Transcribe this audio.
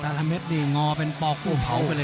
แต่ละเม็ดดีงอเป็นปลอก